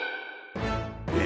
え！